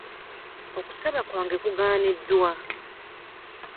Okusaba kwange kugaaniddwa.